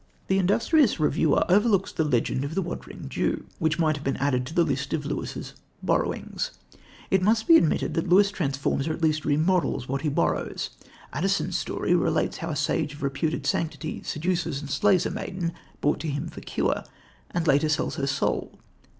The industrious reviewer overlooks the legend of the Wandering Jew, which might have been added to the list of Lewis's "borrowings." It must be admitted that Lewis transforms, or at least remodels, what he borrows. Addison's story relates how a sage of reputed sanctity seduces and slays a maiden brought to him for cure, and later sells his soul.